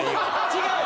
違う！